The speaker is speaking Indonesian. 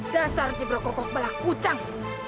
dasar si brokok kok balak pucang